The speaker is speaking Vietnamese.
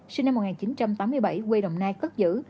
sinh năm một nghìn chín trăm tám mươi bảy quê đồng nai cất giữ